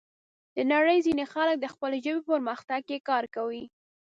د نړۍ ځینې خلک د خپلې ژبې په پرمختګ کې کار کوي.